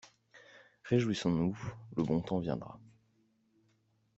Réjouissons-nous, le bon temps reviendra!